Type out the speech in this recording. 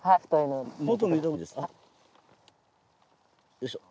よいしょ。